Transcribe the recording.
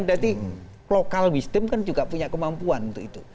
jadi local wisdom kan juga punya kemampuan untuk itu